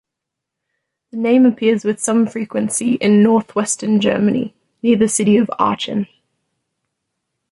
The name appears with some frequency in northwestern Germany, near the city of Aachen.